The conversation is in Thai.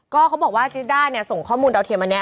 ก็เขาบอกว่าจิด้าเนี่ยส่งข้อมูลดาวเทียมอันนี้